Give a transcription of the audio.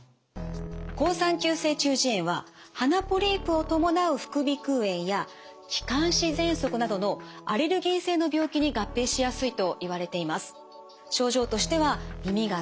好酸球性中耳炎は鼻ポリープを伴う副鼻くう炎や気管支ぜんそくなどのアレルギー性の病気に合併しやすいといわれています。